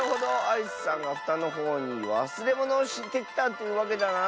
アイスさんがふたのほうにわすれものをしてきたというわけだな？